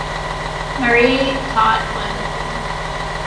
Marie taught calligraphy.